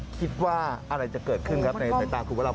คิดว่าอะไรจะเกิดขึ้นครับในสายตาคุณพระรา